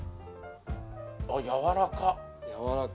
・あっやわらか！